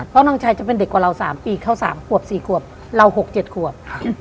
เพราะน้องชายจะเป็นเด็กกว่าเรา๓ปีเข้า๓ขวบ๔ขวบเรา๖๗ขวบ